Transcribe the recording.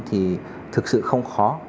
thì thực sự không khó